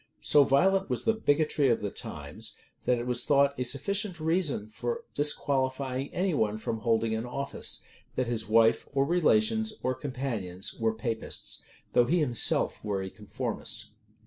So violent was the bigotry of the times, that it was thought a sufficient reason for disqualifying any one from holding an office, that his wife, or relations, or companions were Papists, though he himself were a conformist.